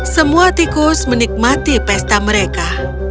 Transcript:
semua tikus menikmati pesta mereka